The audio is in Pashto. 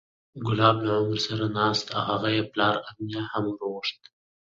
کلاب له عمر سره ناست و هغه یې پلار امیة هم وورغوښت،